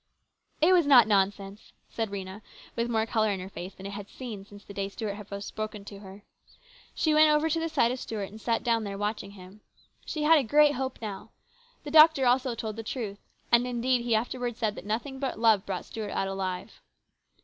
" It was not nonsense," said Rhena with more colour in her face than it had seen since the day 16 242 HIS BROTHER'S KEEPER. Stuart had first spoken to her. She went over to the side of Stuart and sat down there watching him. She had a great hope now. The doctor also told the truth. And indeed he afterwards said that nothing but love brought Stuart out alive.